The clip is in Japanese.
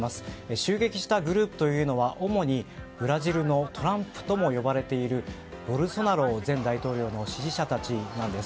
襲撃したグループは主にブラジルのトランプとも呼ばれているボルソナロ前大統領の支持者たちなんです。